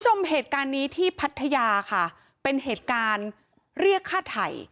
คุณผู้ชมเหตุการณ์นี้ที่พัทยาค่ะเป็นเหตุการณ์เรียกฆ่าไถ่